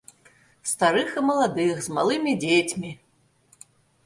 Старых і маладых, з малымі дзецьмі.